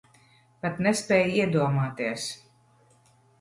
Pat nespēj iedomāties.